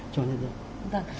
cho nhân dân